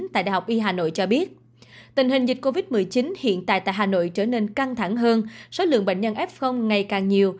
tại đại học y hà nội cho biết tình hình dịch covid một mươi chín hiện tại tại hà nội trở nên căng thẳng hơn số lượng bệnh nhân f ngày càng nhiều